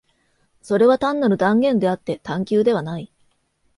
それは単なる断言であって探求ではない。